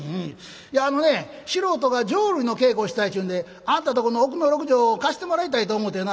「いやあのね素人が浄瑠璃の稽古をしたいちゅうんであんたんとこの奥の６畳を貸してもらいたいと思うてな」。